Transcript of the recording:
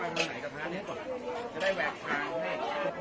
ไว้ตรงไหนกระทานนี้ก่อนเดี๋ยวได้แวกทางกันให้